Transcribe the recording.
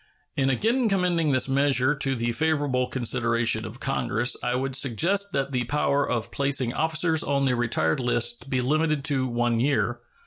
In again commending this measure to the favorable consideration of Congress I would suggest that the power of placing officers on the retired list be limited to one year.